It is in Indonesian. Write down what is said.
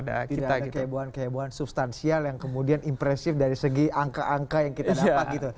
tidak ada kehebohan kehebohan substansial yang kemudian impresif dari segi angka angka yang kita dapat gitu